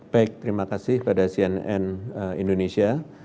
baik terima kasih pada cnn indonesia